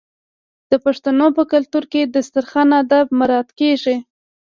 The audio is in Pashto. د پښتنو په کلتور کې د دسترخان اداب مراعات کیږي.